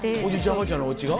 おばあちゃんのお家が？